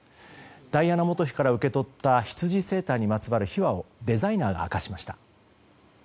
ダイアナ元妃から受け取ったヒツジセーターにまつわる秘話をデザイナーが明かしました。